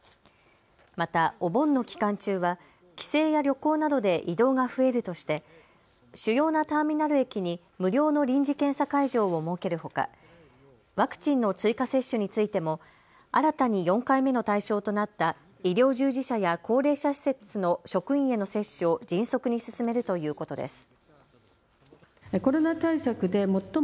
また、お盆の期間中は帰省や旅行などで移動が増えるとして主要なターミナル駅に無料の臨時検査会場を設けるほか、ワクチンの追加接種についても新たに４回目の対象となった医療従事者や高齢者施設の職員への接種を迅速に進めるということです。